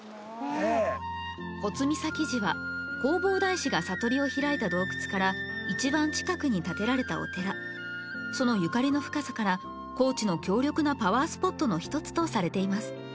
最御崎寺は弘法大師が悟りを開いた洞窟からいちばん近くに建てられたお寺そのゆかりの深さから高知の強力なパワースポットの１つとされています